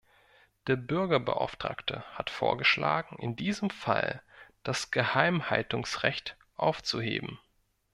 Der Bürgerbeauftragte hat vorgeschlagen, in diesem Fall das Geheimhaltungsrecht aufzuheben.